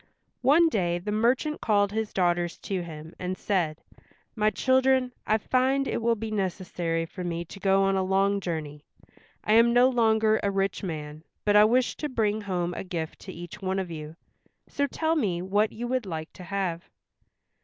One day the merchant called his daughters to him and said, "My children, I find it will be necessary for me to go on a long journey. I am no longer a rich man, but I wish to bring home a gift to each one of you, so tell me what you would like to have."